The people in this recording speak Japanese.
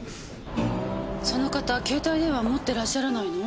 その方携帯電話持ってらっしゃらないの？